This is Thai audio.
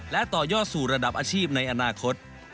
และต่อยอดสู่ระดับอาชีพในอนาคต